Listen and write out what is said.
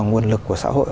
nguồn lực của xã hội